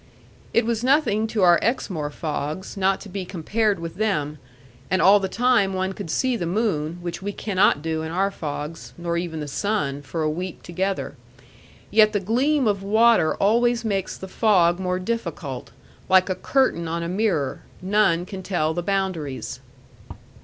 It was nothing to our Exmoor fogs; not to be compared with them; and all the time one could see the moon; which we cannot do in our fogs; nor even the sun, for a week together. Yet the gleam of water always makes the fog more difficult: like a curtain on a mirror; none can tell the boundaries.